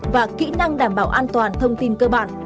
và kỹ năng đảm bảo an toàn thông tin cơ bản